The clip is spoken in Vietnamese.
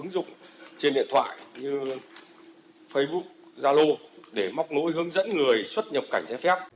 ứng dụng trên điện thoại như facebook zalo để móc nối hướng dẫn người xuất nhập cảnh trái phép